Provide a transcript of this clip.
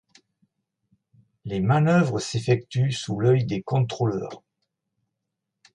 Les manœuvres s’effectuent sous l’œil des contrôleurs.